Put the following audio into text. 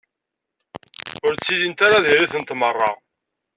Ur ttilint ara diri-tent merra.